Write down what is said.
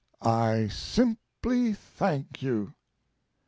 I simply thank you."